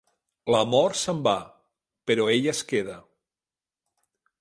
L'amor se'n va, però ella es queda.